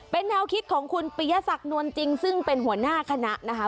เป็นแนวคิดของคุณปียศักดิ์นวลจริงซึ่งเป็นหัวหน้าคณะนะคะ